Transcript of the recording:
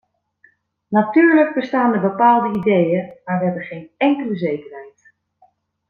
Natuurlijk bestaan er bepaalde ideeën, maar we hebben geen enkele zekerheid...